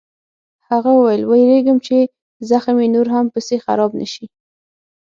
هغه وویل: وېرېږم چې زخم یې نور هم پسې خراب نه شي.